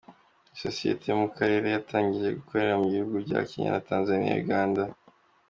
Ngo ntabwo mwumva, ni nko kuvuga ngo muri ba banyafurika umuntu avuga mugasubiza.